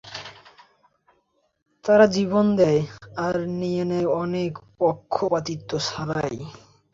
তারা জীবন দেয় আর নিয়ে নেয় কোনো পক্ষপাতিত্ব ছাড়াই।